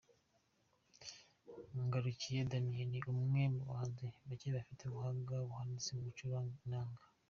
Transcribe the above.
Ngarukiye Daniel ni umwe mu bahanzi bake bafite ubuhanga buhanitse mu gucuranga inanga.